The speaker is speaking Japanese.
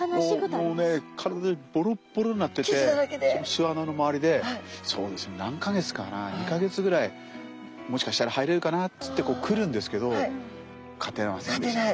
巣穴の周りでそうですね何か月かな２か月ぐらいもしかしたら入れるかなっつって来るんですけど勝てませんでしたね。